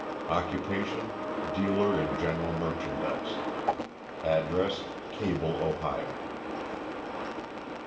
Occupation, dealer in general merchandise. Address, Cable, Ohio.